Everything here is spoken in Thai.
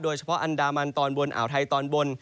โดยเฉพาะอันดามันตอนบนอ่าวไทยตอนบน